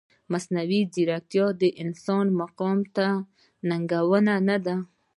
ایا مصنوعي ځیرکتیا د انسان مقام ته ننګونه نه ده؟